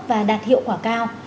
và đạt hiệu quả cao